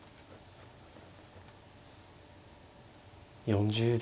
４０秒。